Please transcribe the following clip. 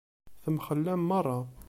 Temxellem meṛṛa.